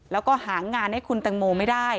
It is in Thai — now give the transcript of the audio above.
แล้วก็หางานให้คุณตังโมไม่ได้